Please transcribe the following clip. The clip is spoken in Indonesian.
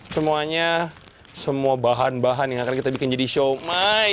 semuanya semua bahan bahan yang akan kita bikin jadi siomay